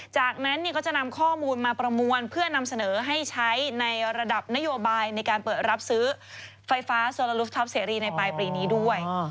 จากนั้นก็จะนำข้อมูลมาประมวลเพื่อนำเสนอให้ใช้ในระดับนโยบายในการเปิดรับซื้อไฟฟ้าโซลาลูสท็อปเสรีในปลายปีนี้ด้วย